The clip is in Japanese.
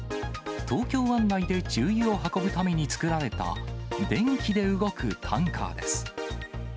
東京湾内で重油を運ぶために造られた、電気で動くタンカーです。